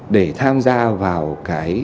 để tham gia vào cái